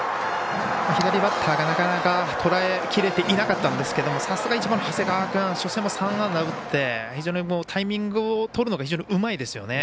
左バッターが、なかなかとらえきれてなかったんですけどさすが、１番の長谷川君初戦も３安打打って非常にタイミングを取るのがうまいですよね。